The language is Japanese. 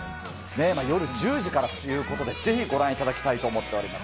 夜１０時からということで、ぜひご覧いただきたいと思っております。